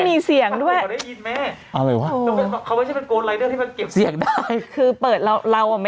ฟังลูกครับ